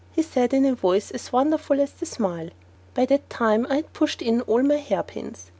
he said in a voice as wonderful as the smile. By that time I had pushed in all my hairpins.